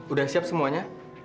udah siap semuanya